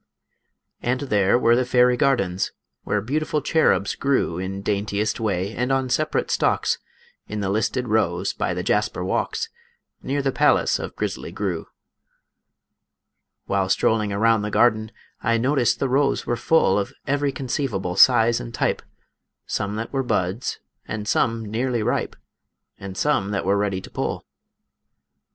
And there were the fairy gardens, Where beautiful cherubs grew In daintiest way and on separate stalks, In the listed rows by the jasper walks, Near the palace of Grizzly Gru. While strolling around the garden I noticed the rows were full Of every conceivable size and type Some that were buds, and some nearly ripe, And some that were ready to pull.